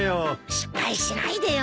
失敗しないでよ？